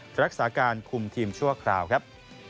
รักษาการคุมทีมชั่วคราวครับ